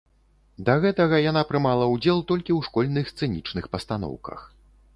Да гэтага яна прымала ўдзел толькі ў школьных сцэнічных пастаноўках.